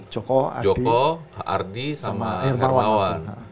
joko ardi sama hermawan